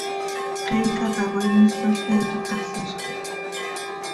¡Xiica tacoi mísolca iiqui cásizxaj!